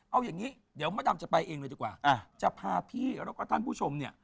เอาอย่างนี้เดี๋ยวมะดำจะไปเองเลยดีกว่าจะพาพี่แล้วก็ท่านผู้ชมเนี่ย